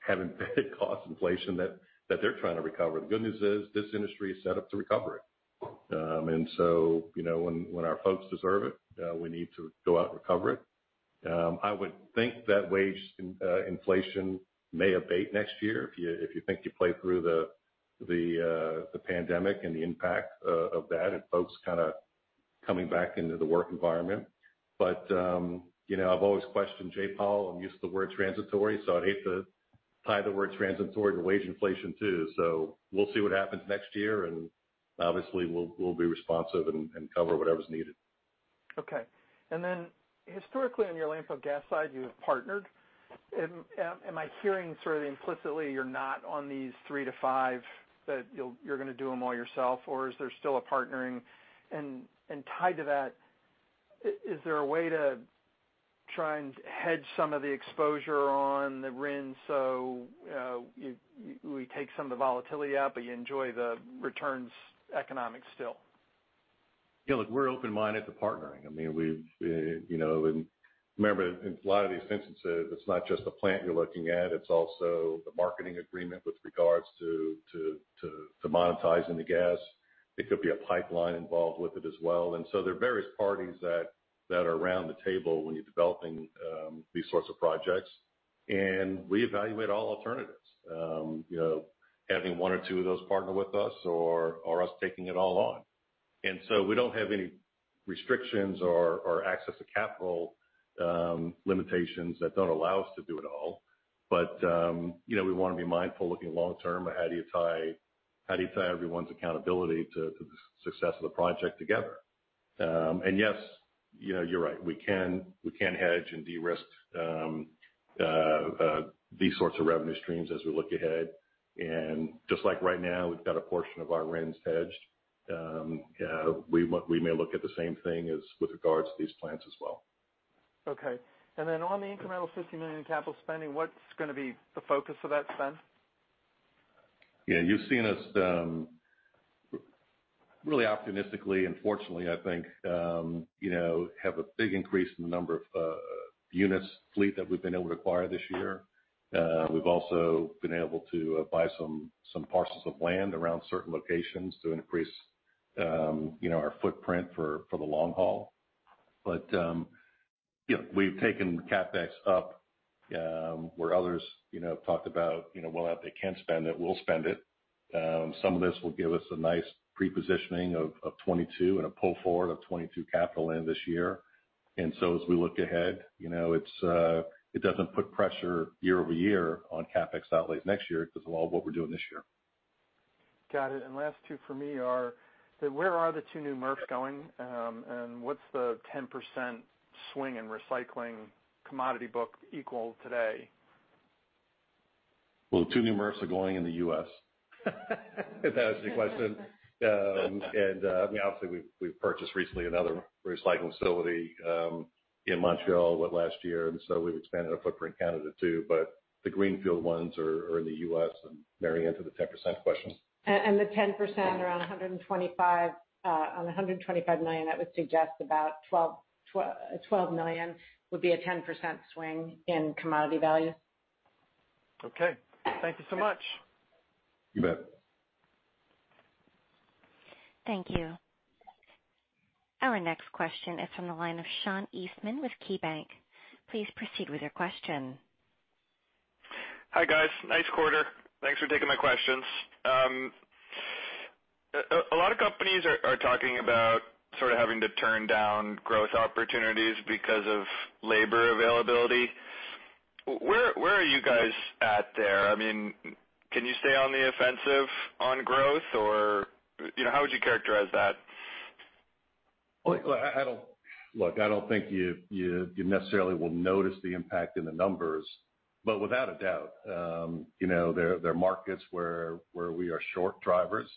having big cost inflation that they're trying to recover. The good news is this industry is set up to recover it. When our folks deserve it, we need to go out and recover it. I would think that wage inflation may abate next year if you think you play through the pandemic and the impact of that, and folks kind of coming back into the work environment. I've always questioned Jerome Powell on the use of the word transitory, I'd hate to tie the word transitory to wage inflation, too. We'll see what happens next year, and obviously, we'll be responsive and cover whatever's needed. Okay. Historically on your landfill gas side, you have partnered. Am I hearing sort of implicitly you're not on these three-five, that you're going to do them all yourself, or is there still a partnering? Tied to that, is there a way to try and hedge some of the exposure on the RINs so we take some of the volatility out, but you enjoy the returns economics still? Look, we're open-minded to partnering. Remember, in a lot of these instances, it's not just a plant you're looking at, it's also the marketing agreement with regards to monetizing the gas. There could be a pipeline involved with it as well. So there are various parties that are around the table when you're developing these sorts of projects, and we evaluate all alternatives. Having one or two of those partner with us or us taking it all on. So we don't have any restrictions or access to capital limitations that don't allow us to do it all. We want to be mindful looking long term of how do you tie everyone's accountability to the success of the project together. Yes, you're right. We can hedge and de-risk these sorts of revenue streams as we look ahead. Just like right now, we've got a portion of our RINs hedged. We may look at the same thing with regards to these plants as well. Okay. Then on the incremental $50 million capital spending, what's going to be the focus of that spend? You've seen us really optimistically and fortunately, I think, have a big increase in the number of units fleet that we've been able to acquire this year. We've also been able to buy some parcels of land around certain locations to increase our footprint for the long haul. We've taken CapEx up, where others have talked about, well, if they can't spend it, we'll spend it. Some of this will give us a nice pre-positioning of 2022 and a pull forward of 2022 capital end this year. As we look ahead, it doesn't put pressure year-over-year on CapEx outlays next year because of all what we're doing this year. Got it. Last two for me are, where are the two new MRFs going? What's the 10% swing in recycling commodity book equal today? The two new MRFs are going in the U.S. If that answers your question. We've purchased recently another recycling facility in Montreal last year, and so we've expanded our footprint in Canada, too. The greenfield ones are in the U.S., and Mary Anne Whitney to the 10% question. The 10%, around $125 million, that would suggest about $12 million would be a 10% swing in commodity value. Okay. Thank you so much. You bet. Thank you. Our next question is from the line of Sean Eastman with KeyBanc. Please proceed with your question. Hi, guys. Nice quarter. Thanks for taking my questions. A lot of companies are talking about sort of having to turn down growth opportunities because of labor availability. Where are you guys at there? Can you stay on the offensive on growth, or how would you characterize that? Look, I don't think you necessarily will notice the impact in the numbers. Without a doubt there are markets where we are short drivers.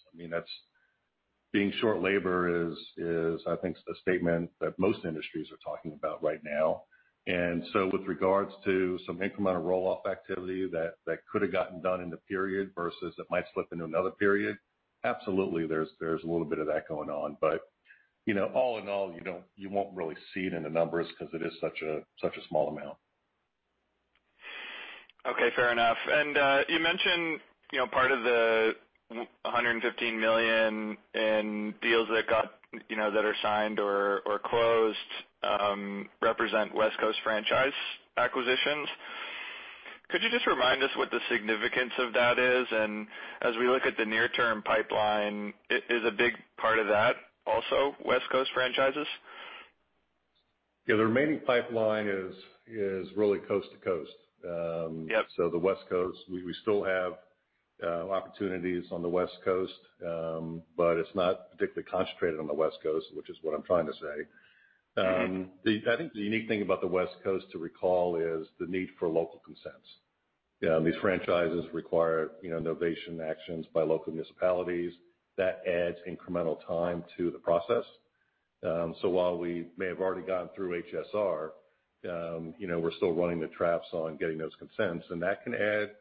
Being short labor is, I think, the statement that most industries are talking about right now. With regards to some incremental roll-off activity that could have gotten done in the period versus that might slip into another period, absolutely, there's a little bit of that going on. All in all, you won't really see it in the numbers because it is such a small amount. Okay, fair enough. You mentioned part of the $115 million in deals that are signed or closed represent West Coast franchise acquisitions. Could you just remind us what the significance of that is? As we look at the near-term pipeline, is a big part of that also West Coast franchises? The remaining pipeline is really coast to coast. Yep. The West Coast, we still have opportunities on the West Coast, but it's not particularly concentrated on the West Coast, which is what I'm trying to say. I think the unique thing about the West Coast to recall is the need for local consents. These franchises require novation actions by local municipalities. That adds incremental time to the process. While we may have already gone through HSR, we're still running the traps on getting those consents, and that can add,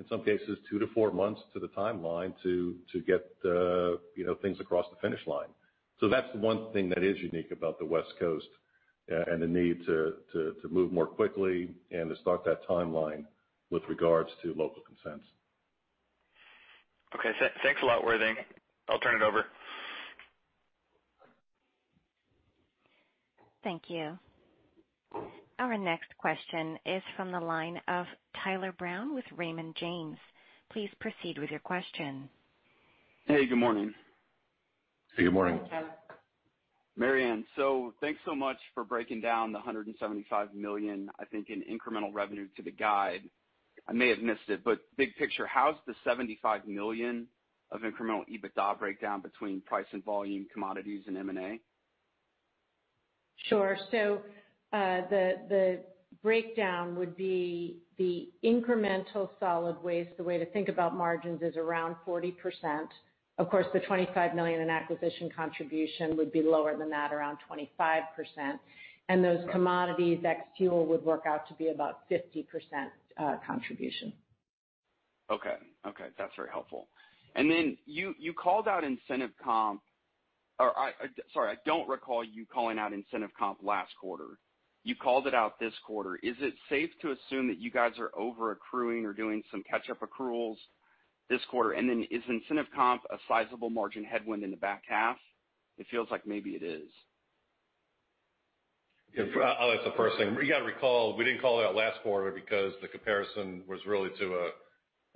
in some cases, two to four months to the timeline to get the things across the finish line. That's the one thing that is unique about the West Coast and the need to move more quickly and to start that timeline with regards to local consents. Okay. Thanks a lot, Worthing. I'll turn it over. Thank you. Our next question is from the line of Tyler Brown with Raymond James. Please proceed with your question. Hey, good morning. Good morning. Good morning, Tyler. Mary Anne, thanks so much for breaking down the $175 million, I think, in incremental revenue to the guide. I may have missed it, big picture, how's the $75 million of incremental EBITDA breakdown between price and volume commodities and M&A? Sure. The breakdown would be the incremental solid waste. The way to think about margins is around 40%. Of course, the $25 million in acquisition contribution would be lower than that, around 25%. Those commodities, ex fuel, would work out to be about 50% contribution. Okay. That's very helpful. You called out incentive comp, or I don't recall you calling out incentive comp last quarter. You called it out this quarter. Is it safe to assume that you guys are over-accruing or doing some catch-up accruals this quarter? Is incentive comp a sizable margin headwind in the back half? It feels like maybe it is. I'll answer the first thing. You got to recall, we didn't call it out last quarter because the comparison was really to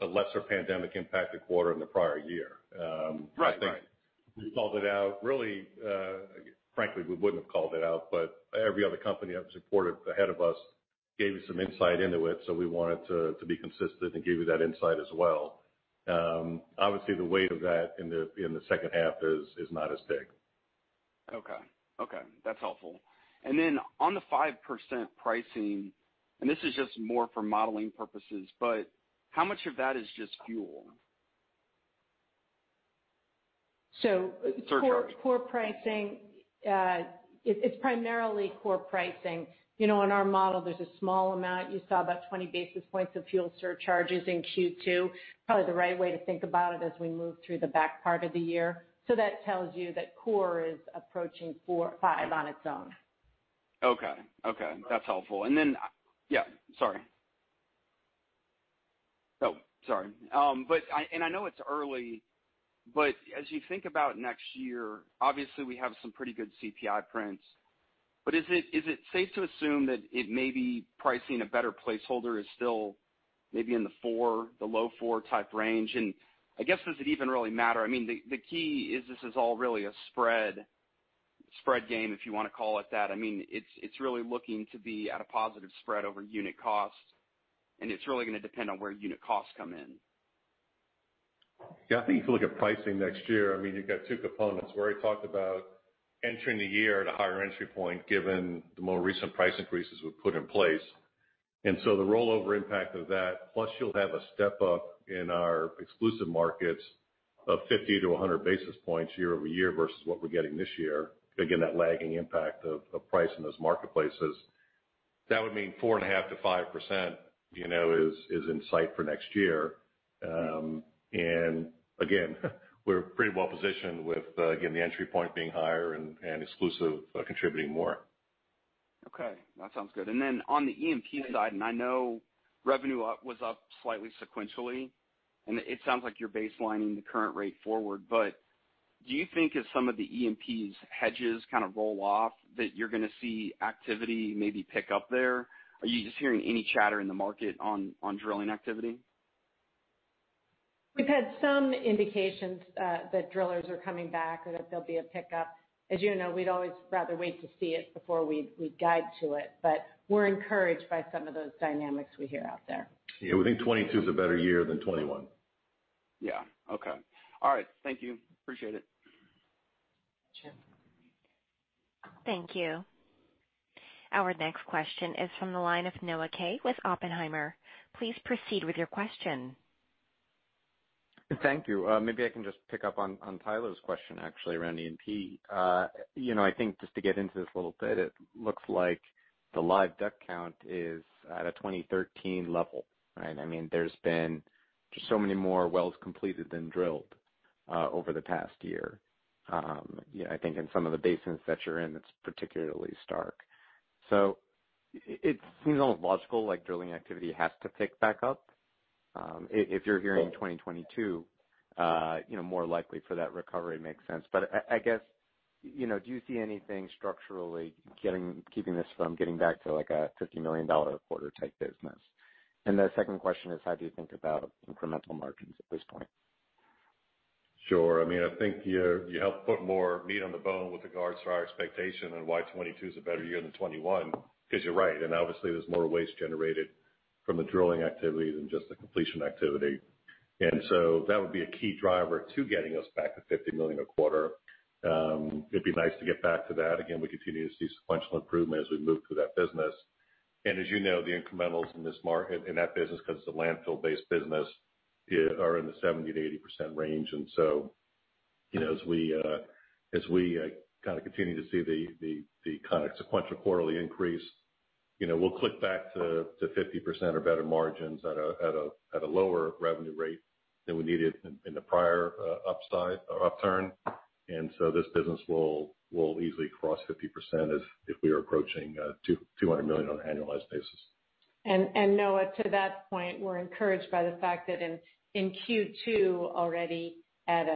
a lesser pandemic-impacted quarter in the prior year. Right. We called it out, really, frankly, we wouldn't have called it out, but every other company that was reported ahead of us gave you some insight into it, so we wanted to be consistent and give you that insight as well. Obviously, the weight of that in the second half is not as big. Okay. That's helpful. On the 5% pricing, and this is just more for modeling purposes, but how much of that is just fuel? So core pricing, it's primarily core pricing. In our model, there is a small amount. You saw about 20 basis points of fuel surcharges in Q2. Probably the right way to think about it as we move through the back part of the year. That tells you that core is approaching 4.5% on its own. Okay. That's helpful. Then, yeah, sorry. Oh, sorry. I know it's early, as you think about next year, obviously, we have some pretty good CPI prints, is it safe to assume that it may be pricing a better placeholder is still maybe in the four, the low four type range? I guess, does it even really matter? I mean, the key is this is all really a spread game, if you want to call it that. It's really looking to be at a positive spread over unit cost, and it's really going to depend on where unit costs come in. Yeah, I think if you look at pricing next year, you've got two components. Where I talked about entering the year at a higher entry point given the more recent price increases we've put in place. The rollover impact of that, plus you'll have a step-up in our exclusive markets of 50-100 basis points year-over-year versus what we're getting this year, again, that lagging impact of price in those marketplaces. That would mean 4.5%-5% is in sight for next year. Again, we're pretty well-positioned with, again, the entry point being higher and exclusive contributing more. Okay. That sounds good. On the E&P side, I know revenue was up slightly sequentially, it sounds like you're baselining the current rate forward, do you think as some of the E&P's hedges kind of roll off, that you're going to see activity maybe pick up there? Are you just hearing any chatter in the market on drilling activity? We've had some indications that drillers are coming back or that there'll be a pickup. As you know, we'd always rather wait to see it before we guide to it, but we're encouraged by some of those dynamics we hear out there. Yeah, we think 2022 is a better year than 2021. Yeah. Okay. All right. Thank you. Appreciate it. Sure. Thank you. Our next question is from the line of Noah Kaye with Oppenheimer. Please proceed with your question. Thank you. Maybe I can just pick up on Tyler's question, actually, around E&P. I think just to get into this a little bit, it looks like the live DUC count is at a 2013 level, right? There's been just so many more wells completed than drilled over the past year. I think in some of the basins that you're in, it's particularly stark. It seems almost logical, like drilling activity has to pick back up. If you're hearing 2022, more likely for that recovery makes sense. I guess, do you see anything structurally keeping this from getting back to, like, a $50 million quarter type business? The second question is, how do you think about incremental margins at this point? Sure. I think you helped put more meat on the bone with regards to our expectation and why 2022 is a better year than 2021, because you're right. Obviously, there's more waste generated from the drilling activity than just the completion activity. That would be a key driver to getting us back to $50 million a quarter. It'd be nice to get back to that. Again, we continue to see sequential improvement as we move through that business. As you know, the incrementals in this market, in that business, because it's a landfill-based business, are in the 70%-80% range. As we continue to see the kind of sequential quarterly increase, we'll click back to 50% or better margins at a lower revenue rate than we needed in the prior upturn. This business will easily cross 50% if we are approaching $200 million on an annualized basis. Noah, to that point, we're encouraged by the fact that in Q2 already at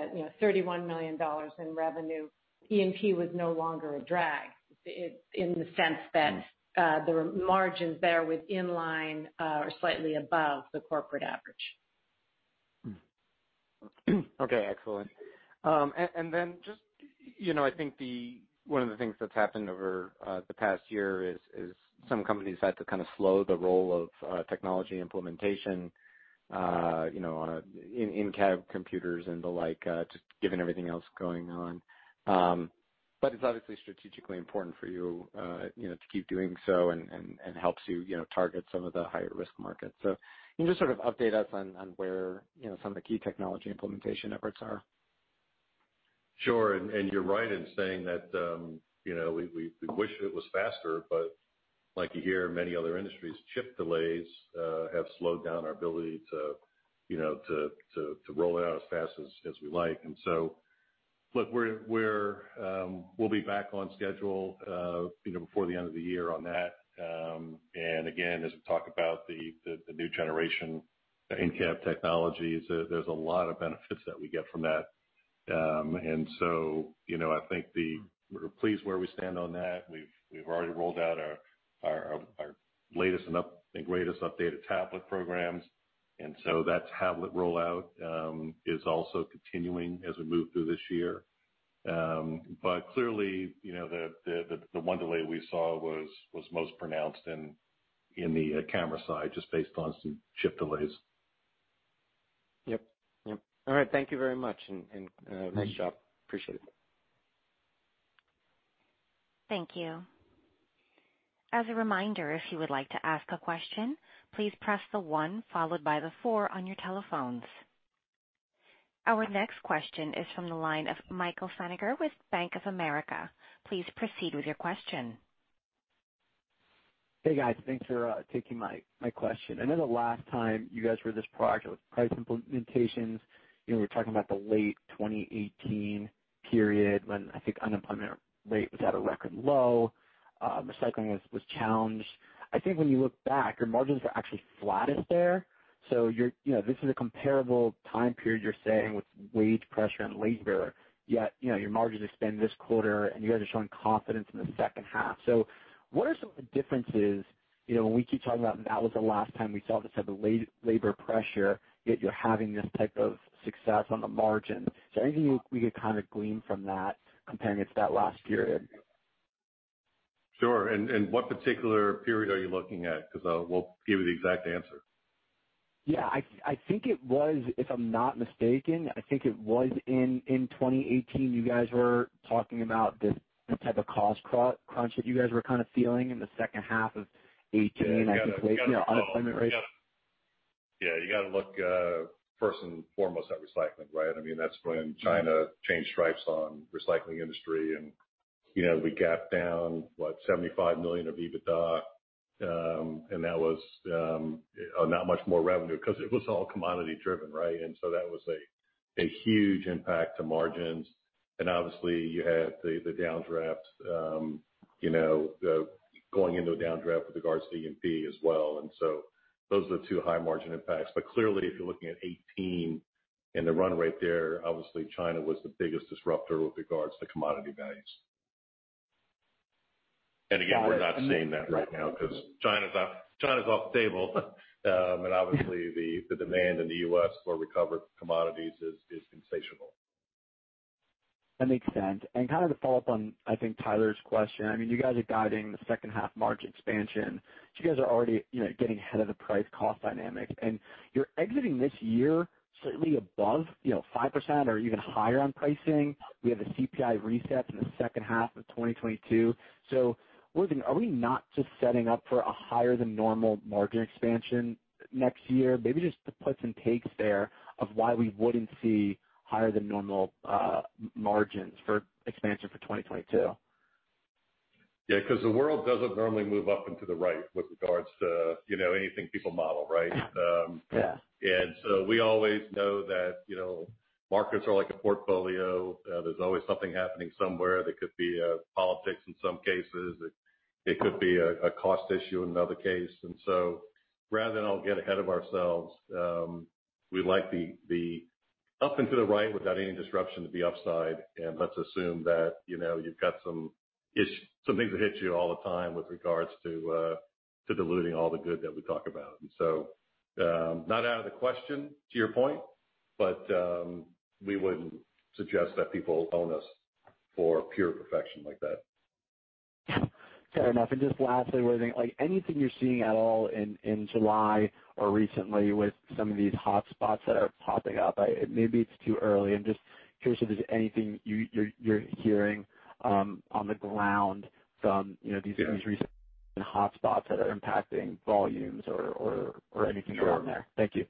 $31 million in revenue, E&P was no longer a drag, in the sense that the margins there were in line or slightly above the corporate average. Excellent. Then just, I think one of the things that's happened over the past year is some companies had to kind of slow the role of technology implementation in-cab computers and the like, just given everything else going on. It's obviously strategically important for you to keep doing so and helps you target some of the higher risk markets. Can you just sort of update us on where some of the key technology implementation efforts are? Sure. You're right in saying that we wish it was faster, but like you hear many other industries, chip delays have slowed down our ability to roll out as fast as we like. Look, we'll be back on schedule before the end of the year on that. Again, as we talk about the new generation in-cab technologies, there's a lot of benefits that we get from that. I think we're pleased where we stand on that. We've already rolled out our latest and greatest updated tablet programs. That tablet rollout is also continuing as we move through this year. Clearly, the one delay we saw was most pronounced in the camera side, just based on some chip delays. Yep. All right. Thank you very much and nice job. Appreciate it. Thank you. As a reminder, if you would like to ask a question, please press the one followed by the four on your telephones. Our next question is from the line of Michael Feniger with Bank of America. Please proceed with your question. Hey, guys. Thanks for taking my question. I know the last time you guys were this proactive with price implementations, we're talking about the late 2018 period when I think unemployment rate was at a record low. Recycling was challenged. I think when you look back, your margins were actually flattest there. This is a comparable time period, you're saying, with wage pressure and labor, yet your margins expand this quarter, and you guys are showing confidence in the second half. What are some of the differences when we keep talking about that was the last time we saw this type of labor pressure, yet you're having this type of success on the margin. Is there anything we could kind of glean from that comparing it to that last period? Sure. What particular period are you looking at? We'll give you the exact answer. Yeah. I think it was, if I'm not mistaken, I think it was in 2018, you guys were talking about this type of cost crunch that you guys were kind of feeling in the second half of 2018- Yeah. You got to look first and foremost at recycling, right? That's when China changed stripes on recycling industry and we gapped down, what, $75 million of EBITDA. That was on not much more revenue because it was all commodity driven, right? So that was a huge impact to margins. Obviously you had the downdraft, going into a downdraft with regards to E&P as well. So those are the two high margin impacts. Clearly, if you're looking at 2018 and the run rate there, obviously China was the biggest disruptor with regards to commodity values. Again, we're not seeing that right now because China's off the table. Obviously the demand in the U.S. for recovered commodities is insatiable. That makes sense. Kind of to follow up on, I think Tyler's question, you guys are guiding the second half margin expansion. You guys are already getting ahead of the price cost dynamic, and you're exiting this year certainly above 5% or even higher on pricing. We have the CPI reset in the second half of 2022. We're thinking, are we not just setting up for a higher than normal margin expansion next year? Maybe just the puts and takes there of why we wouldn't see higher than normal margins for expansion for 2022. Yeah. Because the world doesn't normally move up and to the right with regards to anything people model, right? Yeah. We always know that markets are like a portfolio. There's always something happening somewhere. They could be politics in some cases. It could be a cost issue in another case. Rather than all get ahead of ourselves, we like the up and to the right without any disruption to the upside. Let's assume that you've got some things that hit you all the time with regards to diluting all the good that we talk about. Not out of the question, to your point, but we wouldn't suggest that people own us for pure perfection like that. Fair enough. Just lastly, anything you're seeing at all in July or recently with some of these hotspots that are popping up? Maybe it's too early. I'm just curious if there's anything you're hearing on the ground from these recent hotspots that are impacting volumes or anything around there. Thank you.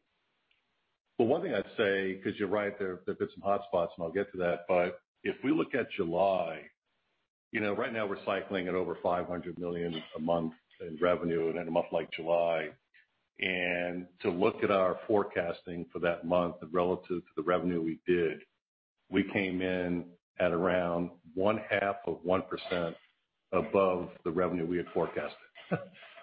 One thing I'd say, because you're right, there have been some hotspots, and I'll get to that, but if we look at July, right now we're cycling at over $500 million a month in revenue in a month like July. To look at our forecasting for that month relative to the revenue we did, we came in at around one-half of 1% above the revenue we had forecasted.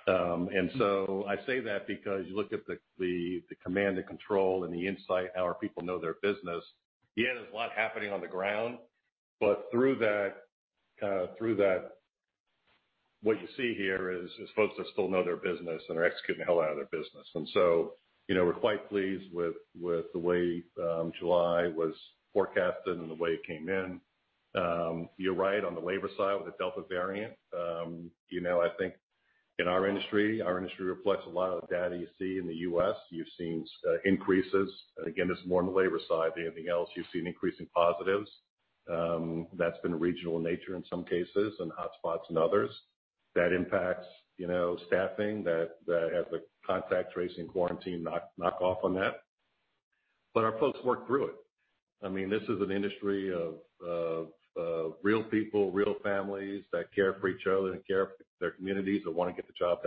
I say that because you look at the command and control and the insight, how our people know their business. Yeah, there's a lot happening on the ground. Through that, what you see here is folks that still know their business and are executing the hell out of their business. We're quite pleased with the way July was forecasted and the way it came in. You're right on the labor side with the Delta variant. I think in our industry, our industry reflects a lot of the data you see in the U.S. You've seen increases. Again, this is more on the labor side than anything else. You've seen increasing positives. That's been regional in nature in some cases, and hotspots in others. That impacts staffing, that has the contact tracing quarantine knock off on that. Our folks work through it. This is an industry of real people, real families that care for each other and care for their communities and want to get the job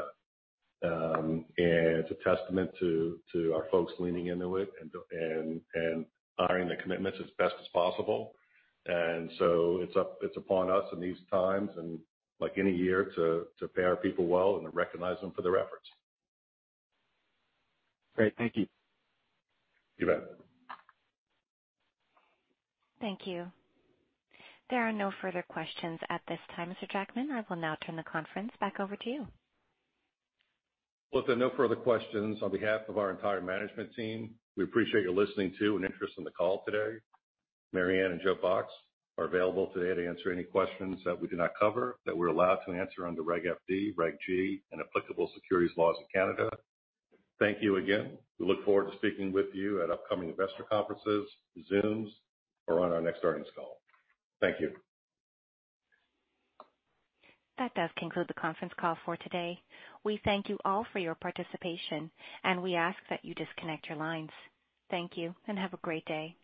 done. It's a testament to our folks leaning into it and honoring the commitments as best as possible. It's upon us in these times, and like any year, to pay our people well and to recognize them for their efforts. Great. Thank you. You bet. Thank you. There are no further questions at this time, Mr. Jackman. I will now turn the conference back over to you. Well, if there are no further questions, on behalf of our entire management team, we appreciate your listening to and interest in the call today. Mary Anne and Joe Box are available today to answer any questions that we did not cover that we're allowed to answer under Regulation FD, Regulation G, and applicable securities laws of Canada. Thank you again. We look forward to speaking with you at upcoming investor conferences, Zooms, or on our next earnings call. Thank you. That does conclude the conference call for today. We thank you all for your participation, and we ask that you disconnect your lines. Thank you, and have a great day.